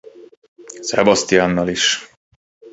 Sebastiannal is.